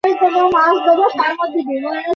ইয়াকারি, বাড়ি ফেরার সময় হয়েছে।